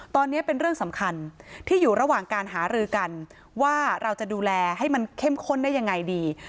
ตอนนี้เป็นเรื่องสำคัญที่อยู่ระหว่างการหารือกันว่าเราจะดูแลให้มันเข้มข้นได้ยังไงดี